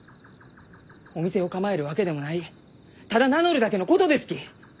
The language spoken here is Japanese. お店を構えるわけでもないただ名乗るだけのことですき！